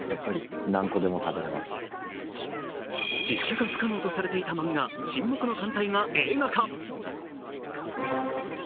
実写化不可能とされていた漫画「沈黙の艦隊」が映画化。